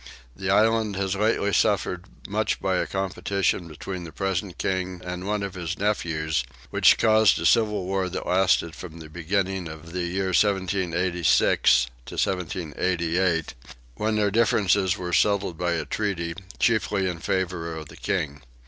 The island has lately suffered much by a competition between the present king and one of his nephews, which caused a civil war that lasted from the beginning of the year 1786 to 1788, when their differences were settled by a treaty, chiefly in favour of the king.